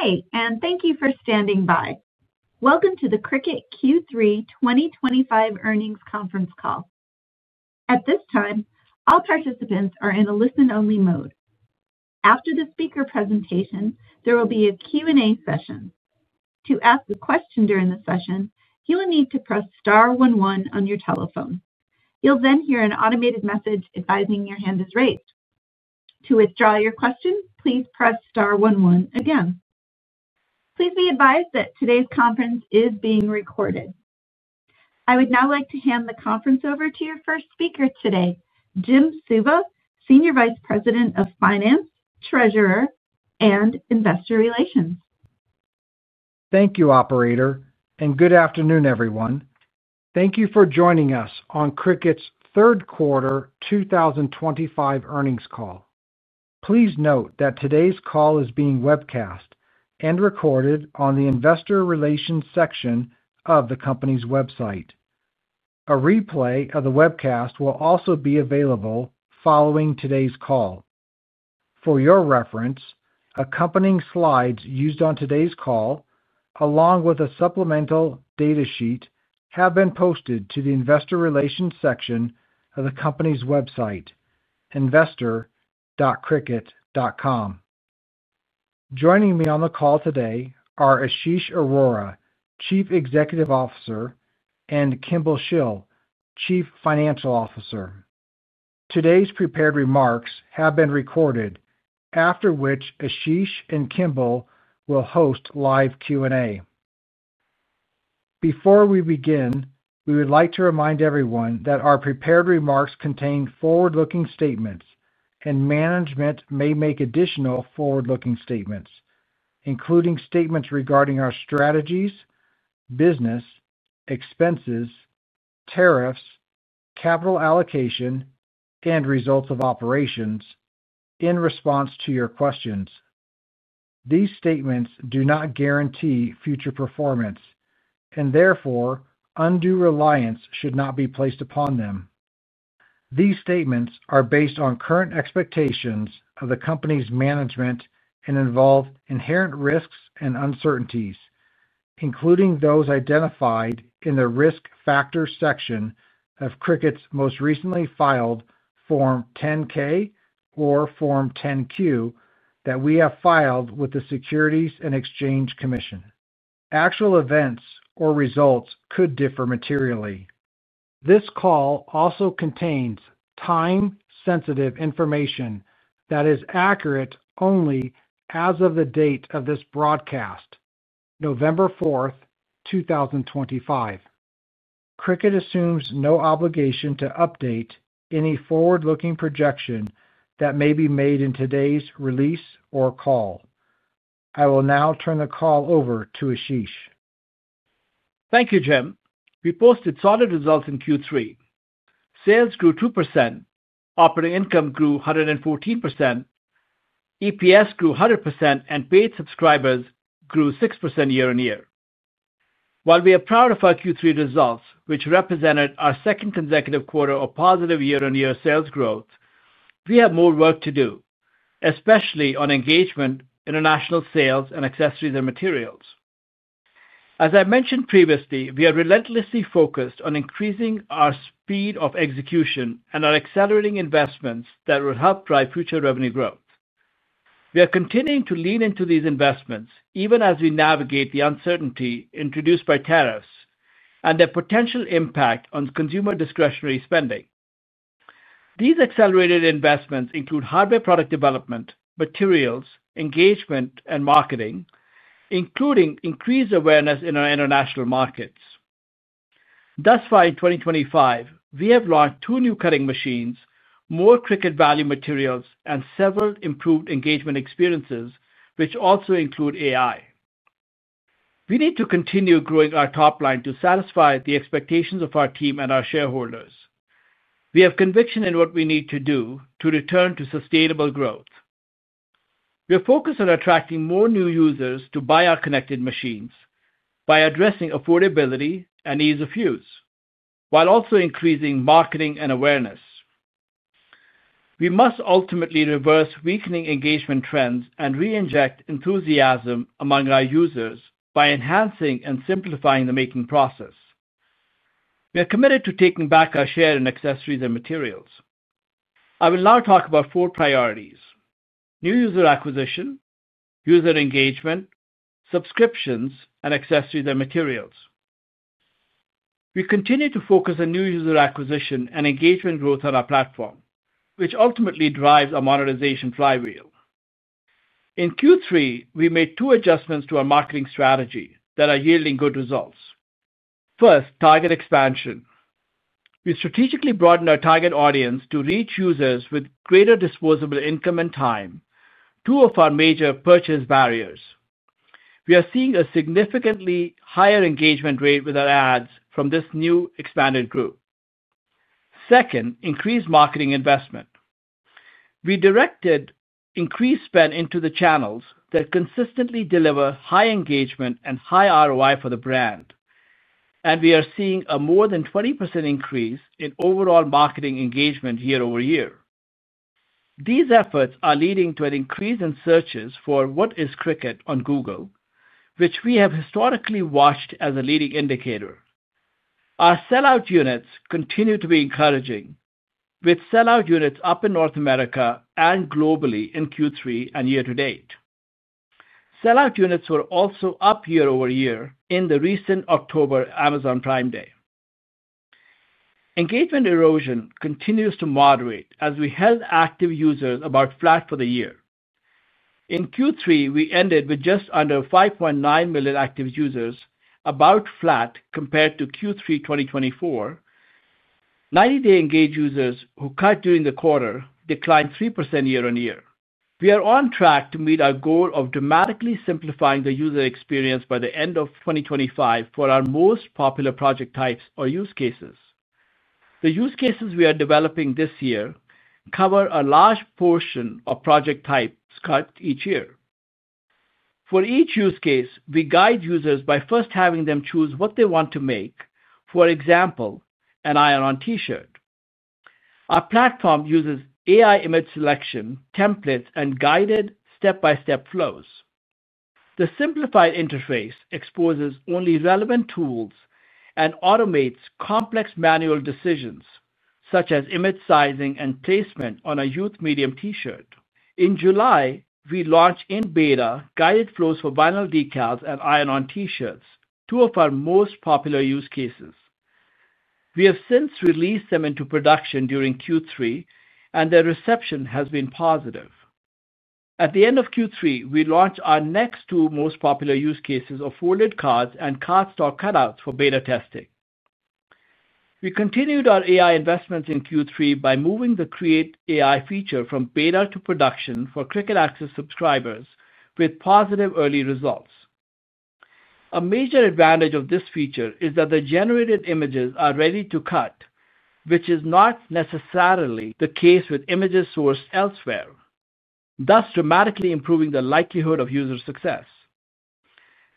Today, and thank you for standing by. Welcome to the Cricut Q3 2025 earnings conference call. At this time, all participants are in a listen-only mode. After the speaker presentation, there will be a Q&A session. To ask a question during the session, you will need to press Star 11 on your telephone. You'll then hear an automated message advising your hand is raised. To withdraw your question, please press Star 11 again. Please be advised that today's conference is being recorded. I would now like to hand the conference over to your first speaker today, Jim Suva, Senior Vice President of Finance, Treasurer, and Investor Relations. Thank you, Operator, and good afternoon, everyone. Thank you for joining us on Cricut's third quarter 2025 earnings call. Please note that today's call is being webcast and recorded on the Investor Relations section of the company's website. A replay of the webcast will also be available following today's call. For your reference, accompanying slides used on today's call, along with a supplemental data sheet, have been posted to the Investor Relations section of the company's website, investor.cricut.com. Joining me on the call today are Ashish Arora, Chief Executive Officer, and Kimball Shill, Chief Financial Officer. Today's prepared remarks have been recorded, after which Ashish and Kimball will host live Q&A. Before we begin, we would like to remind everyone that our prepared remarks contain forward-looking statements, and management may make additional forward-looking statements, including statements regarding our strategies, business, expenses, tariffs, capital allocation, and results of operations in response to your questions. These statements do not guarantee future performance, and therefore undue reliance should not be placed upon them. These statements are based on current expectations of the company's management and involve inherent risks and uncertainties, including those identified in the risk factor section of Cricut's most recently filed Form 10-K or Form 10-Q that we have filed with the Securities and Exchange Commission. Actual events or results could differ materially. This call also contains time-sensitive information that is accurate only as of the date of this broadcast, November 4th, 2025. Cricut assumes no obligation to update any forward-looking projection that may be made in today's release or call. I will now turn the call over to Ashish. Thank you, Jim. We posted solid results in Q3. Sales grew 2%, operating income grew 114%. EPS grew 100%, and paid subscribers grew 6% year-on-year. While we are proud of our Q3 results, which represented our second consecutive quarter of positive year-on-year sales growth, we have more work to do, especially on engagement, international sales, and accessories and materials. As I mentioned previously, we are relentlessly focused on increasing our speed of execution and are accelerating investments that will help drive future revenue growth. We are continuing to lean into these investments even as we navigate the uncertainty introduced by tariffs and their potential impact on consumer discretionary spending. These accelerated investments include hardware product development, materials, engagement, and marketing, including increased awareness in our international markets. Thus far in 2025, we have launched two new cutting machines, more Cricut Value Materials, and several improved engagement experiences, which also include AI. We need to continue growing our top line to satisfy the expectations of our team and our shareholders. We have conviction in what we need to do to return to sustainable growth. We are focused on attracting more new users to buy our connected machines by addressing affordability and ease of use, while also increasing marketing and awareness. We must ultimately reverse weakening engagement trends and reinject enthusiasm among our users by enhancing and simplifying the making process. We are committed to taking back our share in accessories and materials. I will now talk about four priorities: new user acquisition, user engagement, subscriptions, and accessories and materials. We continue to focus on new user acquisition and engagement growth on our platform, which ultimately drives our monetization flywheel. In Q3, we made two adjustments to our marketing strategy that are yielding good results. First, target expansion. We strategically broadened our target audience to reach users with greater disposable income and time, two of our major purchase barriers. We are seeing a significantly higher engagement rate with our ads from this new expanded group. Second, increased marketing investment. We directed increased spend into the channels that consistently deliver high engagement and high ROI for the brand. And we are seeing a more than 20% increase in overall marketing engagement year-over-year. These efforts are leading to an increase in searches for "What is Cricut?" on Google, which we have historically watched as a leading indicator. Our sellout units continue to be encouraging, with sellout units up in North America and globally in Q3 and year-to-date. Sellout units were also up year-over-year in the recent October Amazon Prime Day. Engagement erosion continues to moderate as we held active users about flat for the year. In Q3, we ended with just under 5.9 million active users, about flat compared to Q3 2024. 90-day engaged users who cut during the quarter declined 3% year-on-year. We are on track to meet our goal of dramatically simplifying the user experience by the end of 2025 for our most popular project types or use cases. The use cases we are developing this year cover a large portion of project types cut each year. For each use case, we guide users by first having them choose what they want to make, for example, an Iron-On T-shirt. Our platform uses AI image selection templates and guided step-by-step flows. The simplified interface exposes only relevant tools and automates complex manual decisions such as image sizing and placement on a youth medium T-shirt. In July, we launched in beta guided flows for Vinyl Decals and Iron-On T-shirts, two of our most popular use cases. We have since released them into production during Q3, and their reception has been positive. At the end of Q3, we launched our next two most popular use cases of folded cards and cardstock cutouts for beta testing. We continued our AI investments in Q3 by moving the Create AI feature from beta to production for Cricut Access subscribers with positive early results. A major advantage of this feature is that the generated images are ready to cut, which is not necessarily the case with images sourced elsewhere. Thus, dramatically improving the likelihood of user success.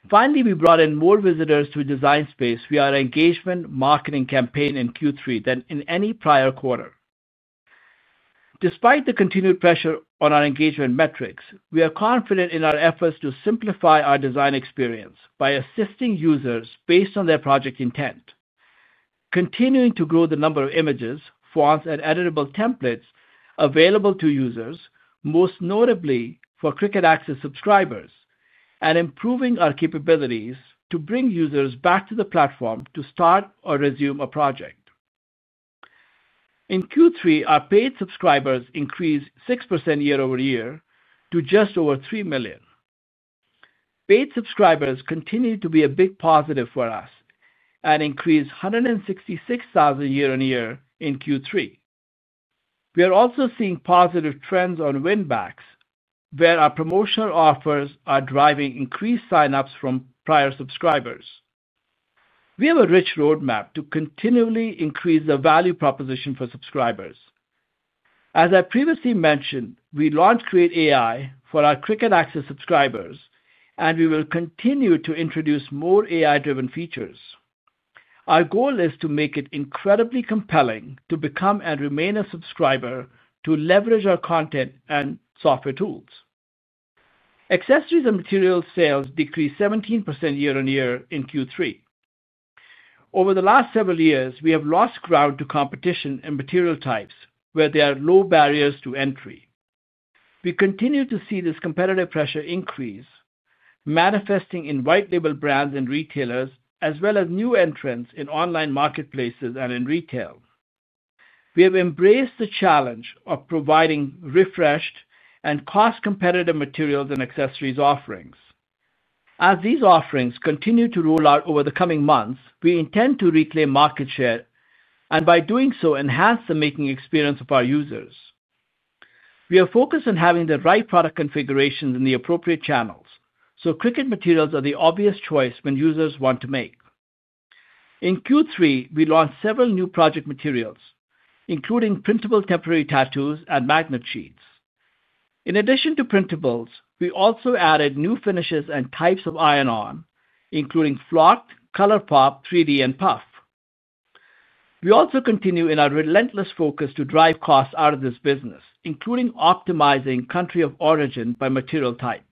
Finally, we brought in more visitors to Design Space via our engagement marketing campaign in Q3 than in any prior quarter. Despite the continued pressure on our engagement metrics, we are confident in our efforts to simplify our design experience by assisting users based on their project intent. Continuing to grow the number of images, fonts, and editable templates available to users, most notably for Cricut Access subscribers, and improving our capabilities to bring users back to the platform to start or resume a project. In Q3, our paid subscribers increased 6% year-over-year to just over 3 million. Paid subscribers continue to be a big positive for us and increased 166,000 year-on-year in Q3. We are also seeing positive trends on win-backs, where our promotional offers are driving increased sign-ups from prior subscribers. We have a rich roadmap to continually increase the value proposition for subscribers. As I previously mentioned, we launched Create AI for our Cricut Access subscribers, and we will continue to introduce more AI-driven features. Our goal is to make it incredibly compelling to become and remain a subscriber to leverage our content and software tools. Accessories and materials sales decreased 17% year-on-year in Q3. Over the last several years, we have lost ground to competition in material types, where there are low barriers to entry. We continue to see this competitive pressure increase, manifesting in white-label brands and retailers, as well as new entrants in online marketplaces and in retail. We have embraced the challenge of providing refreshed and cost-competitive materials and accessories offerings. As these offerings continue to roll out over the coming months, we intend to reclaim market share and, by doing so, enhance the making experience of our users. We are focused on having the right product configurations in the appropriate channels, so Cricut materials are the obvious choice when users want to make. In Q3, we launched several new project materials, including printable temporary tattoos and magnet sheets. In addition to printables, we also added new finishes and types of Iron-On, including Flocked, Color Pop, 3D, and Puff. We also continue in our relentless focus to drive costs out of this business, including optimizing country of origin by material type.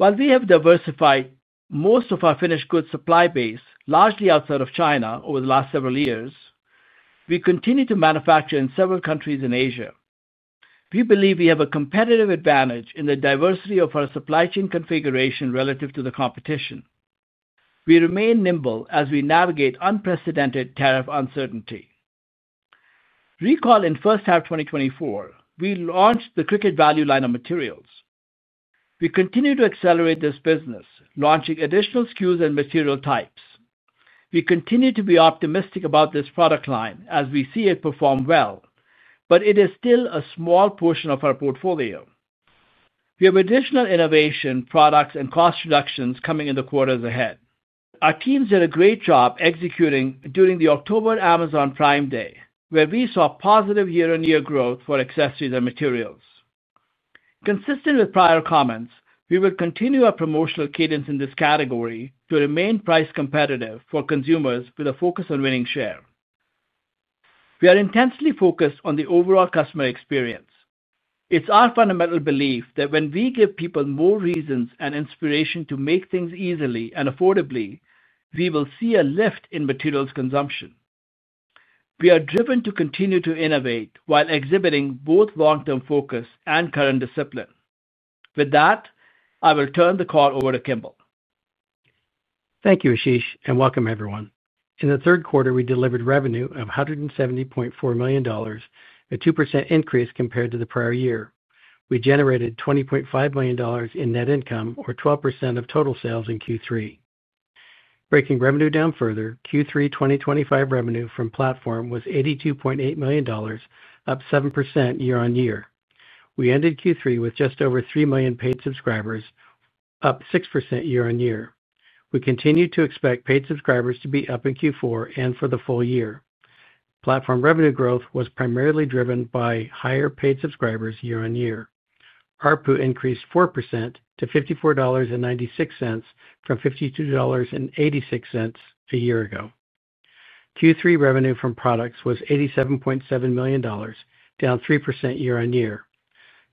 While we have diversified most of our finished goods supply base, largely outside of China, over the last several years, we continue to manufacture in several countries in Asia. We believe we have a competitive advantage in the diversity of our supply chain configuration relative to the competition. We remain nimble as we navigate unprecedented tariff uncertainty. Recall in first half 2024, we launched the Cricut Value line of materials. We continue to accelerate this business, launching additional SKUs and material types. We continue to be optimistic about this product line as we see it perform well, but it is still a small portion of our portfolio. We have additional innovation products and cost reductions coming in the quarters ahead. Our teams did a great job executing during the October Amazon Prime Day, where we saw positive year-on-year growth for accessories and materials. Consistent with prior comments, we will continue our promotional cadence in this category to remain price competitive for consumers with a focus on winning share. We are intensely focused on the overall customer experience. It's our fundamental belief that when we give people more reasons and inspiration to make things easily and affordably, we will see a lift in materials consumption. We are driven to continue to innovate while exhibiting both long-term focus and current discipline. With that, I will turn the call over to Kimball. Thank you, Ashish, and welcome, everyone. In the third quarter, we delivered revenue of $170.4 million, a 2% increase compared to the prior year. We generated $20.5 million in net income, or 12% of total sales in Q3. Breaking revenue down further, Q3 2025 revenue from platform was $82.8 million, up 7% year-on-year. We ended Q3 with just over 3 million paid subscribers, up 6% year-on-year. We continue to expect paid subscribers to be up in Q4 and for the full year. Platform revenue growth was primarily driven by higher paid subscribers year-on-year. ARPU increased 4% to $54.96 from $52.86 a year ago. Q3 revenue from products was $87.7 million, down 3% year-on-year.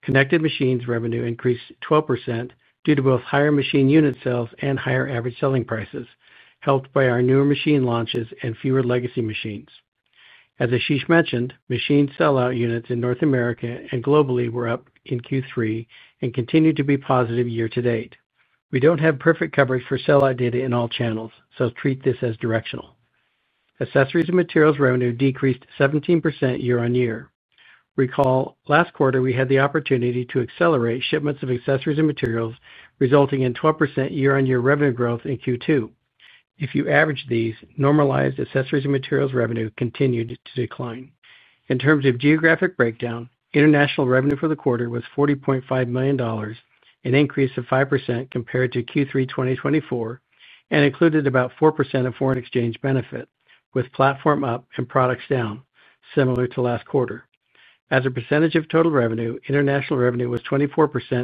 Connected machines revenue increased 12% due to both higher machine unit sales and higher average selling prices, helped by our newer machine launches and fewer legacy machines. As Ashish mentioned, machine sellout units in North America and globally were up in Q3 and continue to be positive year-to-date. We don't have perfect coverage for sellout data in all channels, so treat this as directional. Accessories and materials revenue decreased 17% year-on-year. Recall, last quarter, we had the opportunity to accelerate shipments of accessories and materials, resulting in 12% year-on-year revenue growth in Q2. If you average these, normalized accessories and materials revenue continued to decline. In terms of geographic breakdown, international revenue for the quarter was $40.5 million, an increase of 5% compared to Q3 2024, and included about 4% of foreign exchange benefit, with platform up and products down, similar to last quarter. As a percentage of total revenue, international revenue was 24%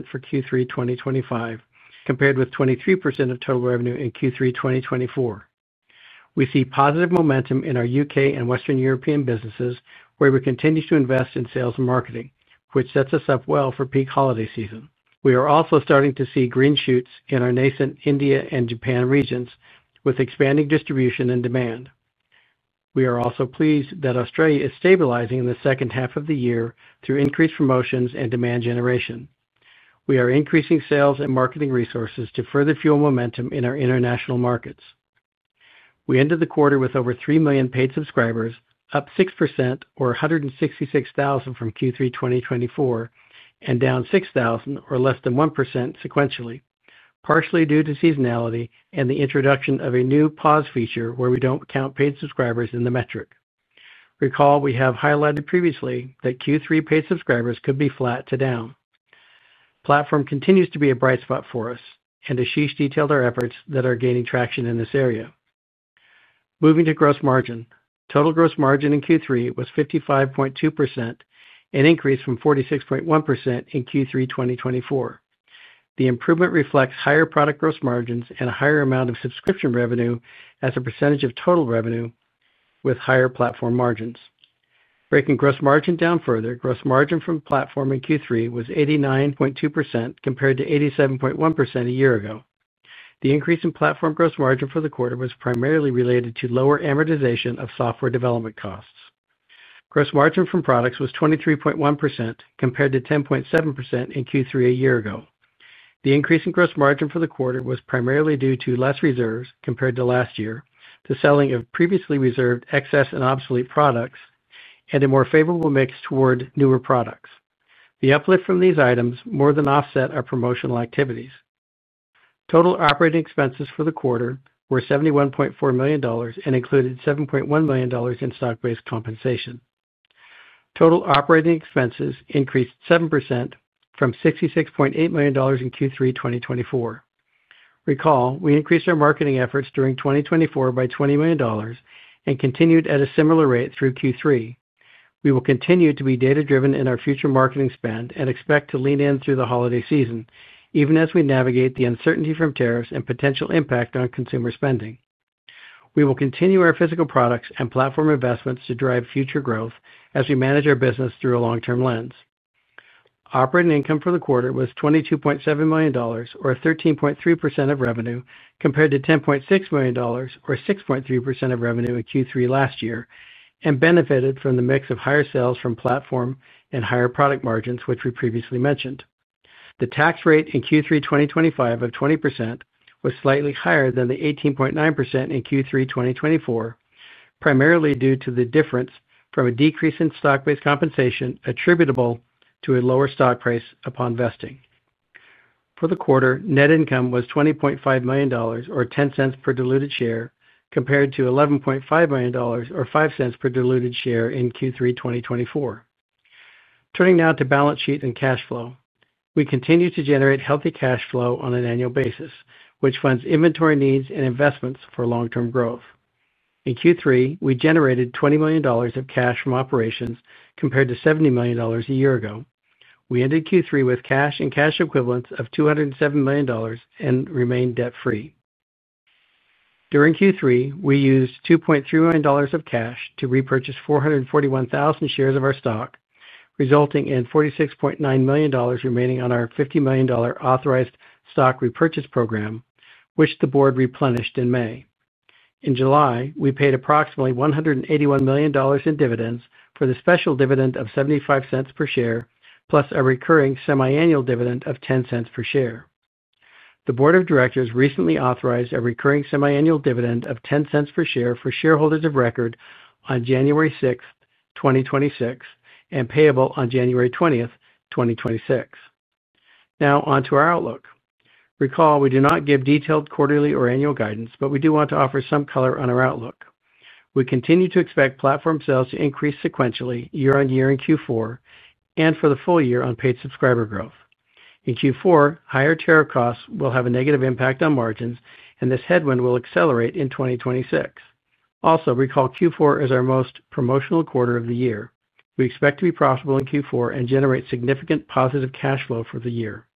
for Q3 2025, compared with 23% of total revenue in Q3 2024. We see positive momentum in our U.K. and Western European businesses, where we continue to invest in sales and marketing, which sets us up well for peak holiday season. We are also starting to see green shoots in our nascent India and Japan regions, with expanding distribution and demand. We are also pleased that Australia is stabilizing in the second half of the year through increased promotions and demand generation. We are increasing sales and marketing resources to further fuel momentum in our international markets. We ended the quarter with over 3 million paid subscribers, up 6%, or 166,000 from Q3 2024, and down 6,000, or less than 1%, sequentially, partially due to seasonality and the introduction of a new pause feature where we don't count paid subscribers in the metric. Recall, we have highlighted previously that Q3 paid subscribers could be flat to down. Platform continues to be a bright spot for us, and Ashish detailed our efforts that are gaining traction in this area. Moving to gross margin. Total gross margin in Q3 was 55.2%, an increase from 46.1% in Q3 2024. The improvement reflects higher product gross margins and a higher amount of subscription revenue as a percentage of total revenue, with higher platform margins. Breaking gross margin down further, gross margin from platform in Q3 was 89.2% compared to 87.1% a year ago. The increase in platform gross margin for the quarter was primarily related to lower amortization of software development costs. Gross margin from products was 23.1% compared to 10.7% in Q3 a year ago. The increase in gross margin for the quarter was primarily due to less reserves compared to last year, the selling of previously reserved excess and obsolete products, and a more favorable mix toward newer products. The uplift from these items more than offset our promotional activities. Total operating expenses for the quarter were $71.4 million and included $7.1 million in stock-based compensation. Total operating expenses increased 7% from $66.8 million in Q3 2024. Recall, we increased our marketing efforts during 2024 by $20 million and continued at a similar rate through Q3. We will continue to be data-driven in our future marketing spend and expect to lean in through the holiday season, even as we navigate the uncertainty from tariffs and potential impact on consumer spending. We will continue our physical products and platform investments to drive future growth as we manage our business through a long-term lens. Operating income for the quarter was $22.7 million, or 13.3% of revenue, compared to $10.6 million, or 6.3% of revenue in Q3 last year, and benefited from the mix of higher sales from platform and higher product margins, which we previously mentioned. The tax rate in Q3 2025 of 20% was slightly higher than the 18.9% in Q3 2024, primarily due to the difference from a decrease in stock-based compensation attributable to a lower stock price upon vesting. For the quarter, net income was $20.5 million, or $0.10 per diluted share, compared to $11.5 million, or $0.05 per diluted share in Q3 2024. Turning now to balance sheet and cash flow. We continue to generate healthy cash flow on an annual basis, which funds inventory needs and investments for long-term growth. In Q3, we generated $20 million of cash from operations compared to $70 million a year ago. We ended Q3 with cash and cash equivalents of $207 million and remained debt-free. During Q3, we used $2.3 million of cash to repurchase 441,000 shares of our stock, resulting in $46.9 million remaining on our $50 million authorized stock repurchase program, which the board replenished in May. In July, we paid approximately $181 million in dividends for the special dividend of $0.75 per share, plus a recurring semiannual dividend of $0.10 per share. The board of directors recently authorized a recurring semiannual dividend of $0.10 per share for shareholders of record on January 6, 2026, and payable on January 20, 2026. Now, onto our outlook. Recall, we do not give detailed quarterly or annual guidance, but we do want to offer some color on our outlook. We continue to expect platform sales to increase sequentially year-on-year in Q4 and for the full year on paid subscriber growth. In Q4, higher tariff costs will have a negative impact on margins, and this headwind will accelerate in 2026. Also, recall Q4 is our most promotional quarter of the year. We expect to be profitable in Q4 and generate significant positive cash flow for the year.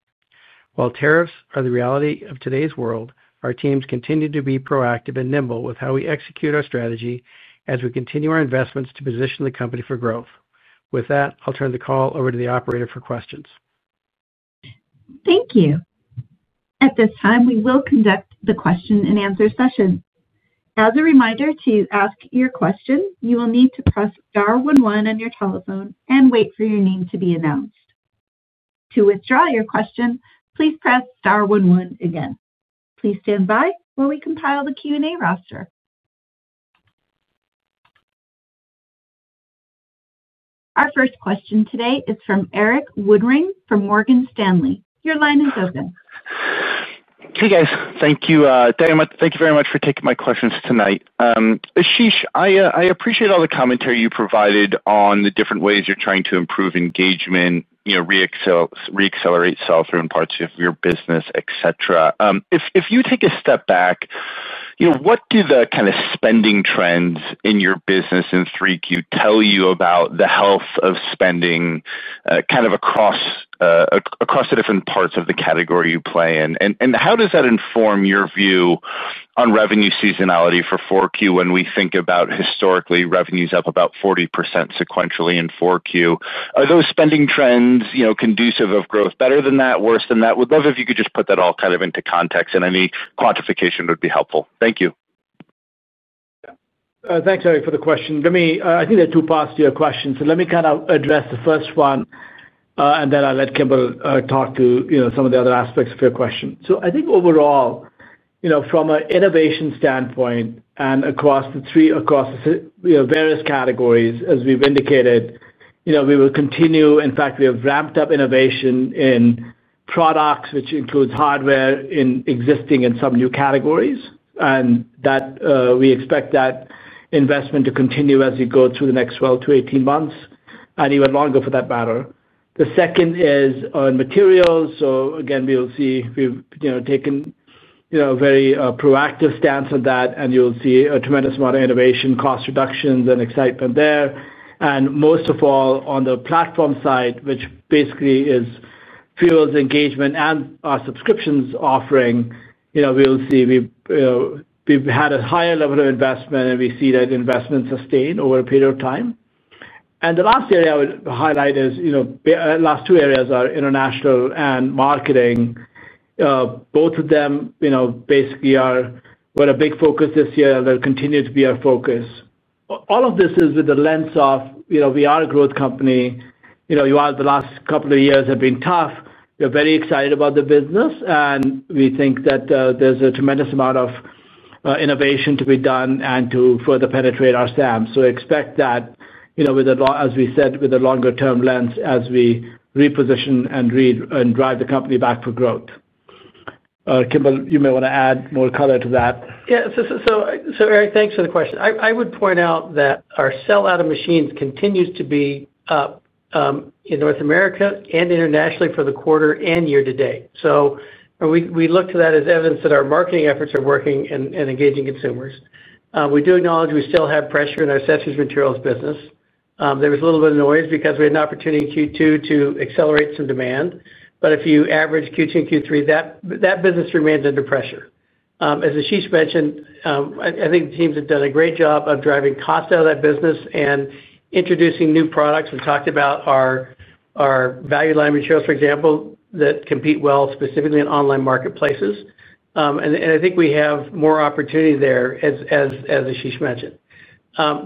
While tariffs are the reality of today's world, our teams continue to be proactive and nimble with how we execute our strategy as we continue our investments to position the company for growth. With that, I'll turn the call over to the operator for questions. Thank you. At this time, we will conduct the question-and-answer session. As a reminder to ask your question, you will need to press Star 11 on your telephone and wait for your name to be announced. To withdraw your question, please press Star 11 again. Please stand by while we compile the Q&A roster. Our first question today is from Erik Woodring from Morgan Stanley. Your line is open. Hey, guys. Thank you very much for taking my questions tonight. Ashish, I appreciate all the commentary you provided on the different ways you're trying to improve engagement, reaccelerate sales through parts of your business, et cetera. If you take a step back. What do the kind of spending trends in your business in 3Q tell you about the health of spending kind of across the different parts of the category you play in? And how does that inform your view on revenue seasonality for 4Q when we think about historically revenues up about 40% sequentially in 4Q? Are those spending trends conducive of growth better than that, worse than that? Would love if you could just put that all kind of into context, and any quantification would be helpful. Thank you. Thanks, Erik, for the question. I think there are two parts to your question, so let me kind of address the first one, and then I'll let Kimball talk to some of the other aspects of your question. I think overall from an innovation standpoint and across the various categories, as we've indicated, we will continue. In fact, we have ramped up innovation in products, which includes hardware in existing and some new categories, and that we expect that investment to continue as we go through the next 12 to 18 months, and even longer for that matter. The second is on materials. Again, we'll see, we've taken a very proactive stance on that, and you'll see a tremendous amount of innovation, cost reductions, and excitement there. Most of all, on the platform side, which basically is fuels engagement and our subscriptions offering, we'll see, we've had a higher level of investment, and we see that investment sustain over a period of time. The last area I would highlight is the last two areas are international and marketing. Both of them basically were a big focus this year, and they'll continue to be our focus. All of this is with the lens of we are a growth company. The last couple of years have been tough. We're very excited about the business, and we think that there's a tremendous amount of innovation to be done and to further penetrate our SAM. Expect that. As we said, with a longer-term lens as we reposition and drive the company back for growth. Kimball, you may want to add more color to that. Yeah. So Erik, thanks for the question. I would point out that our sellout of machines continues to be up in North America and internationally for the quarter and year-to-date. So, we look to that as evidence that our marketing efforts are working and engaging consumers. We do acknowledge we still have pressure in our accessories materials business. There was a little bit of noise because we had an opportunity in Q2 to accelerate some demand. But if you average Q2 and Q3, that business remains under pressure. As Ashish mentioned, I think the teams have done a great job of driving cost out of that business and introducing new products. We talked about our value line materials, for example, that compete well, specifically in online marketplaces. And I think we have more opportunity there, as Ashish mentioned.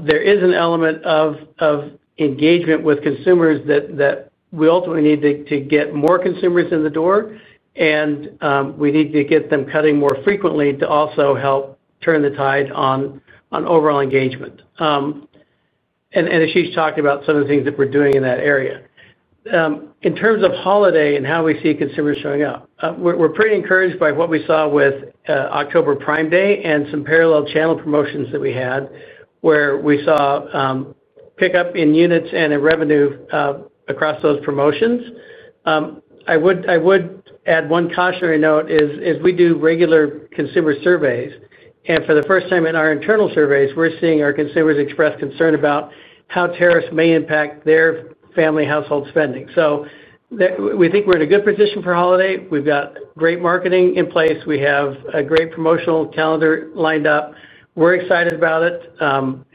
There is an element of engagement with consumers that we ultimately need to get more consumers in the door, and we need to get them cutting more frequently to also help turn the tide on overall engagement. And Ashish talked about some of the things that we're doing in that area. In terms of holiday and how we see consumers showing up, we're pretty encouraged by what we saw with October Prime Day and some parallel channel promotions that we had, where we saw pickup in units and in revenue across those promotions. I would add one cautionary note: as we do regular consumer surveys, and for the first time in our internal surveys, we're seeing our consumers express concern about how tariffs may impact their family household spending. So, we think we're in a good position for holiday. We've got great marketing in place. We have a great promotional calendar lined up. We're excited about it,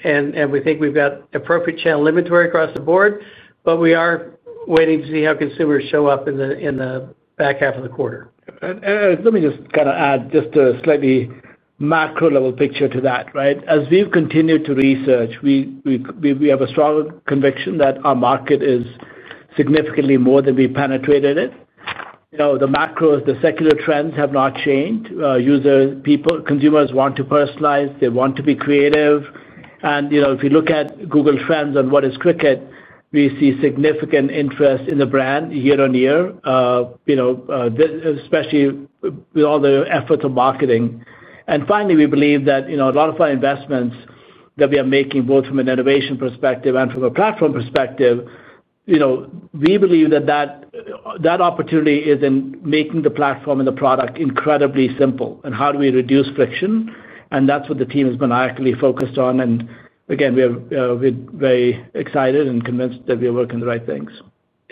and we think we've got appropriate channel inventory across the board, but we are waiting to see how consumers show up in the back half of the quarter. Let me just kind of add just a slightly macro-level picture to that. As we've continued to research. We have a strong conviction that our market is significantly more than we penetrated it. The macros, the secular trends have not changed. Consumers want to personalize. They want to be creative. And if you look at Google Trends and what is Cricut? we see significant interest in the brand year on year. Especially with all the efforts of marketing. And finally, we believe that a lot of our investments that we are making, both from an innovation perspective and from a platform perspective. We believe that. Opportunity is in making the platform and the product incredibly simple and how do we reduce friction. And that's what the team has been actively focused on. And again, we're very excited and convinced that we are working the right things.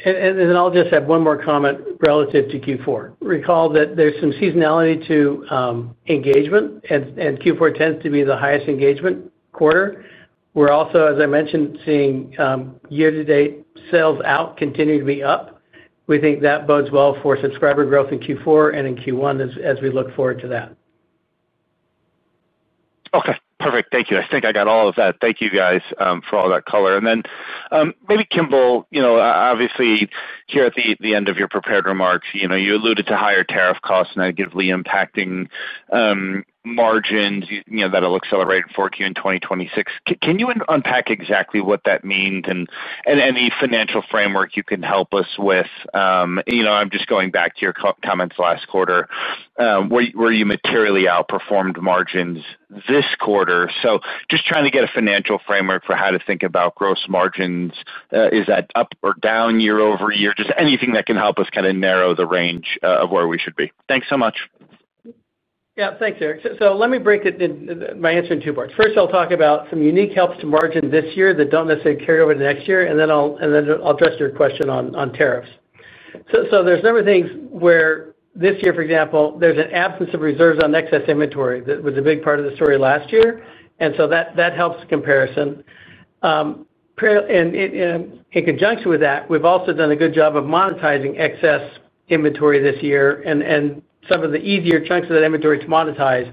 And then I'll just add one more comment relative to Q4. Recall that there's some seasonality to engagement, and Q4 tends to be the highest engagement quarter. We're also, as I mentioned, seeing year-to-date sales out continue to be up. We think that bodes well for subscriber growth in Q4 and in Q1 as we look forward to that. Okay. Perfect. Thank you. I think I got all of that. Thank you, guys, for all that color. And then maybe Kimball, obviously, here at the end of your prepared remarks, you alluded to higher tariff costs negatively impacting margins that it'll accelerate in 4Q and 2026. Can you unpack exactly what that means? And any financial framework you can help us with? I'm just going back to your comments last quarter. Where you materially outperformed margins this quarter. So just trying to get a financial framework for how to think about gross margins. Is that up or down year-over-year? Just anything that can help us kind of narrow the range of where we should be. Thanks so much. Yeah. Thanks, Erik. So let me break my answer into two parts. First, I'll talk about some unique helps to margin this year that don't necessarily carry over to next year, and then I'll address your question on tariffs. So there's a number of things where this year, for example, there's an absence of reserves on excess inventory that was a big part of the story last year. And so that helps the comparison. In conjunction with that, we've also done a good job of monetizing excess inventory this year, and some of the easier chunks of that inventory to monetize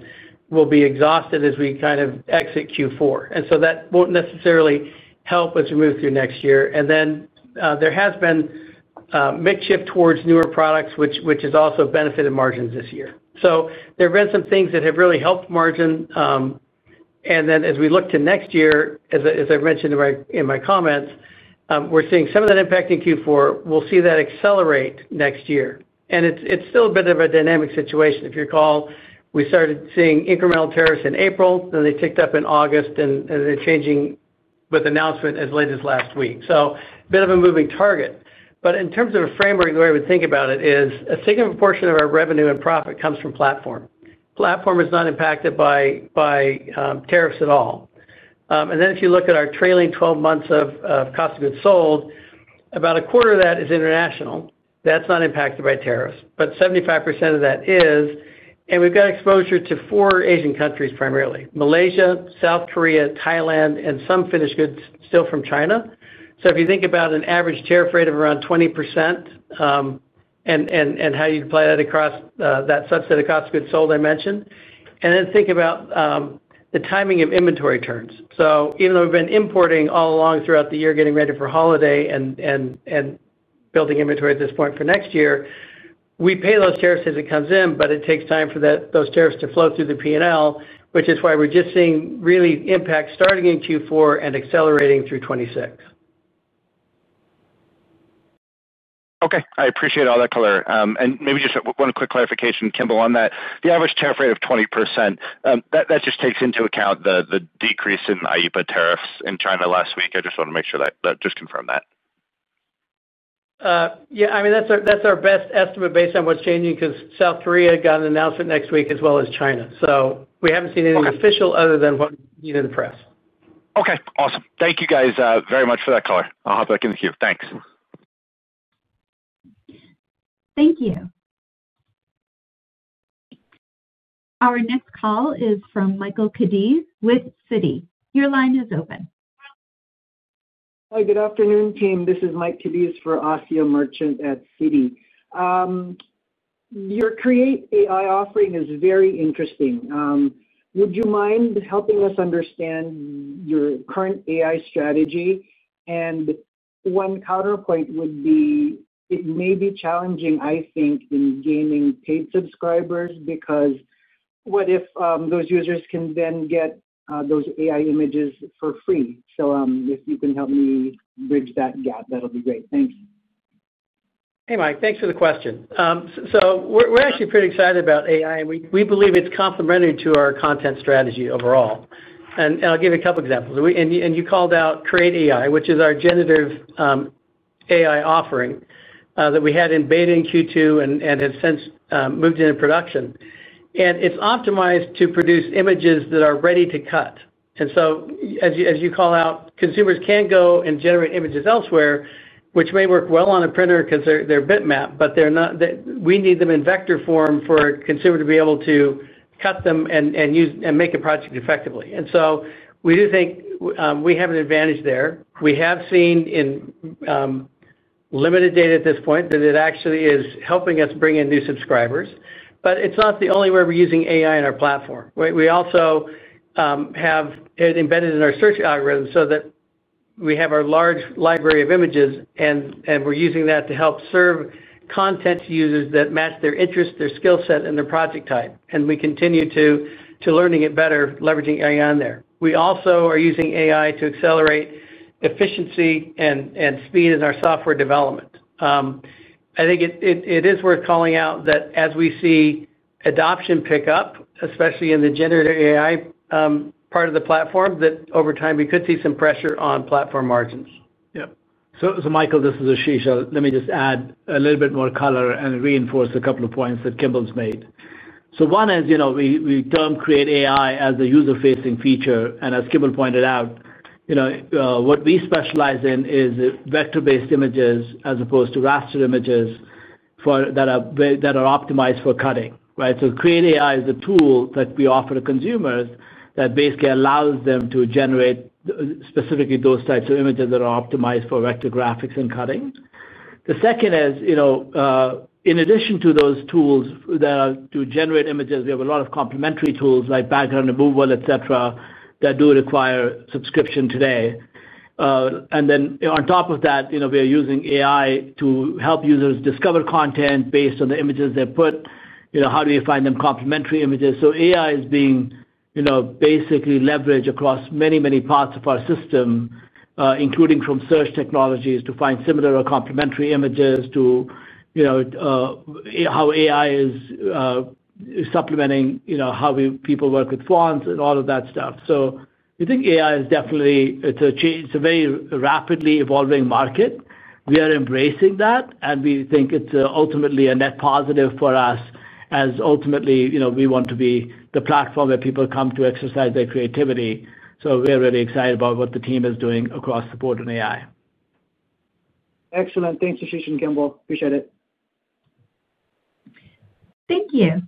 will be exhausted as we kind of exit Q4. And so that won't necessarily help us move through next year. And then there has been a mix shift towards newer products, which has also benefited margins this year. So there have been some things that have really helped margin. And then as we look to next year, as I've mentioned in my comments, we're seeing some of that impact in Q4. We'll see that accelerate next year. And it's still a bit of a dynamic situation. If you recall, we started seeing incremental tariffs in April, then they ticked up in August, and they're changing with announcement as late as last week. So a bit of a moving target. But in terms of a framework, the way we think about it is a significant portion of our revenue and profit comes from platform. Platform is not impacted by tariffs at all. And then if you look at our trailing 12 months of cost of goods sold, about a quarter of that is international. That's not impacted by tariffs, but 75% of that is. And we've got exposure to four Asian countries primarily: Malaysia, South Korea, Thailand, and some finished goods still from China. So if you think about an average tariff rate of around 20%. And how you'd apply that across that subset of cost of goods sold I mentioned, and then think about the timing of inventory turns. So even though we've been importing all along throughout the year, getting ready for holiday, and building inventory at this point for next year, we pay those tariffs as it comes in, but it takes time for those tariffs to flow through the P&L, which is why we're just seeing really impact starting in Q4 and accelerating through 2026. Okay. I appreciate all that color. And maybe just one quick clarification, Kimball, on that. The average tariff rate of 20%, that just takes into account the decrease in IEEPA tariffs in China last week. I just want to make sure that. Just confirm that. Yeah. I mean, that's our best estimate based on what's changing because South Korea got an announcement next week as well as China. So we haven't seen anything official other than what we've seen in the press. Okay. Awesome. Thank you, guys, very much for that color. I'll hop back in the queue. Thanks. Thank you. Our next call is from Michael Cadiz with Citi. Your line is open. Hi. Good afternoon, team. This is Mike Cadiz for Asiya Merchant at Citi. Your Create AI offering is very interesting. Would you mind helping us understand your current AI strategy? And one counterpoint would be it may be challenging, I think, in gaining paid subscribers because what if those users can then get those AI images for free? So if you can help me bridge that gap, that'll be great. Thanks. Hey, Mike. Thanks for the question. So we're actually pretty excited about AI, and we believe it's complementary to our content strategy overall. And I'll give you a couple of examples. And you called out Create AI, which is our generative AI offering that we had embedded in Q2 and has since moved into production. And it's optimized to produce images that are ready to cut. And so as you call out, consumers can go and generate images elsewhere, which may work well on a printer because they're bitmap, but we need them in vector form for a consumer to be able to cut them and make a project effectively. And so we do think we have an advantage there. We have seen in limited data at this point that it actually is helping us bring in new subscribers. But it's not the only way we're using AI in our platform. We also have it embedded in our search algorithm so that we have our large library of images, and we're using that to help serve content users that match their interests, their skill set, and their project type. And we continue to learn and get better, leveraging AI on there. We also are using AI to accelerate efficiency and speed in our software development. I think it is worth calling out that as we see adoption pick up, especially in the generative AI part of the platform, that over time we could see some pressure on platform margins. Yeah. So Michael, this is Ashish. Let me just add a little bit more color and reinforce a couple of points that Kimball's made. So one is we term Create AI as a user-facing feature. And as Kimball pointed out, what we specialize in is vector-based images as opposed to raster images that are optimized for cutting. So Create AI is a tool that we offer to consumers that basically allows them to generate specifically those types of images that are optimized for vector graphics and cutting. The second is in addition to those tools that are to generate images, we have a lot of complementary tools like background removal, etc., that do require subscription today. And then on top of that, we are using AI to help users discover content based on the images they put. How do we find them complementary images? So AI is being basically leveraged across many, many parts of our system, including from search technologies to find similar or complementary images to how AI is supplementing how people work with fonts and all of that stuff. So we think AI is definitely a very rapidly evolving market. We are embracing that, and we think it's ultimately a net positive for us as ultimately we want to be the platform where people come to exercise their creativity. So we're really excited about what the team is doing across the board in AI. Excellent. Thanks, Ashish and Kimball. Appreciate it. Thank you.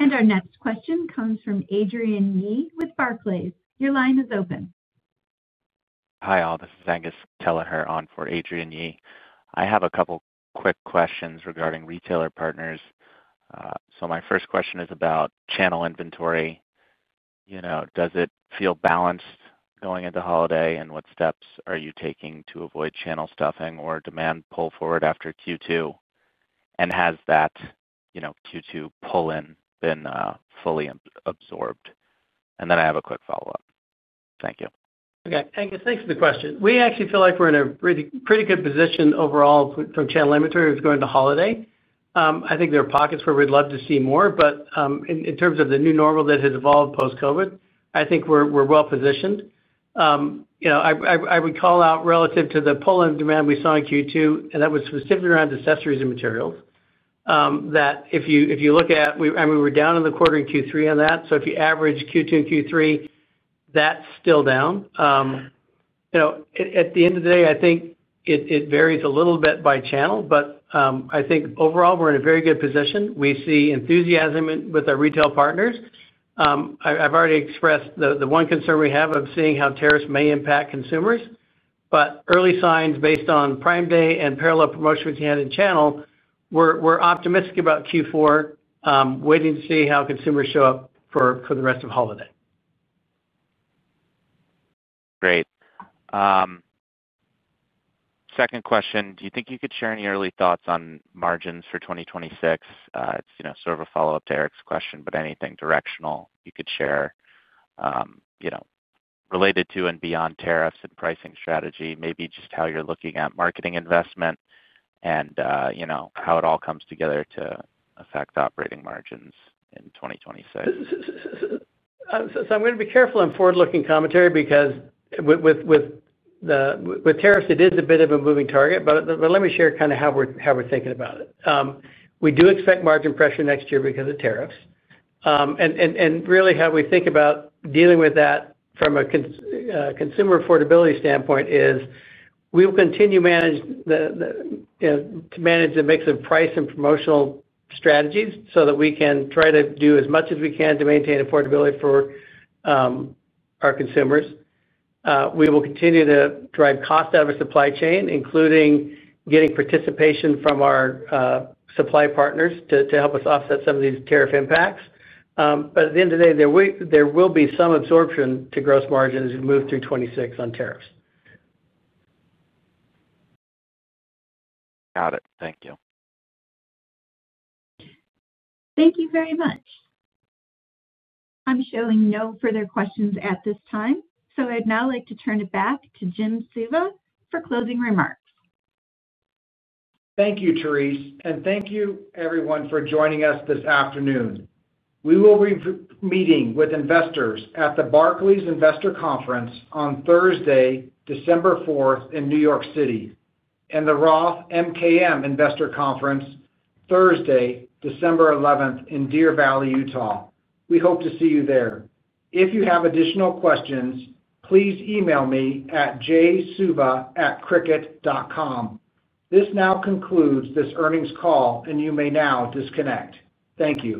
Thank you. Our next question comes from Adrian Yee with Barclays. Your line is open. Hi, all. This is Angus Kelleher on for Adrian Yee. I have a couple of quick questions regarding retailer partners. So my first question is about channel inventory. Does it feel balanced going into holiday, and what steps are you taking to avoid channel stuffing or demand pull forward after Q2? And has that Q2 pull-in been fully absorbed? And then I have a quick follow-up. Thank you. Okay. Thanks for the question. We actually feel like we're in a pretty good position overall from channel inventory going into holiday. I think there are pockets where we'd love to see more, but in terms of the new normal that has evolved post-COVID, I think we're well positioned. I would call out relative to the pull-in demand we saw in Q2, and that was specifically around accessories and materials, that if you look at, I mean, we were down in the quarter in Q3 on that. So if you average Q2 and Q3, that's still down. At the end of the day, I think it varies a little bit by channel, but I think overall we're in a very good position. We see enthusiasm with our retail partners. I've already expressed the one concern we have of seeing how tariffs may impact consumers, but early signs based on Prime Day and parallel promotions we had in channel, we're optimistic about Q4, waiting to see how consumers show up for the rest of holiday. Great. Second question. Do you think you could share any early thoughts on margins for 2026? It's sort of a follow-up to Erik's question, but anything directional you could share. Related to and beyond tariffs and pricing strategy, maybe just how you're looking at marketing investment and how it all comes together to affect operating margins in 2026. So I'm going to be careful on forward-looking commentary because with tariffs, it is a bit of a moving target, but let me share kind of how we're thinking about it. We do expect margin pressure next year because of tariffs. And really, how we think about dealing with that from a consumer affordability standpoint is we will continue to manage the mix of price and promotional strategies so that we can try to do as much as we can to maintain affordability for our consumers. We will continue to drive cost out of our supply chain, including getting participation from our supply partners to help us offset some of these tariff impacts. But at the end of the day, there will be some absorption to gross margins as we move through 2026 on tariffs. Got it. Thank you. Thank you very much. I'm showing no further questions at this time. So I'd now like to turn it back to Jim Suva for closing remarks. Thank you, Therese. And thank you, everyone, for joining us this afternoon. We will be meeting with investors at the Barclays Investor Conference on Thursday, December 4th, in New York City, and the Roth MKM Investor Conference, Thursday, December 11th, in Deer Valley, Utah. We hope to see you there. If you have additional questions, please email me at jsuva@cricut.com. This now concludes this earnings call, and you may now disconnect. Thank you.